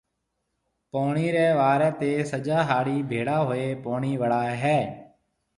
پوڻِي ريَ واريَ تي سجا هاڙِي ڀيڙا هوئي پوڻِي وڙائي هيَ۔